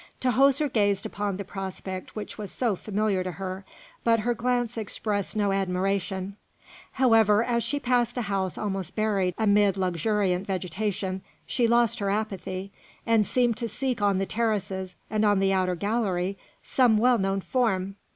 Tahoser gazed upon the prospect which was so familiar to her, but her glance expressed no admiration; however, as she passed a house almost buried amid luxuriant vegetation, she lost her apathy, and seemed to seek on the terraces and on the outer gallery some well known form.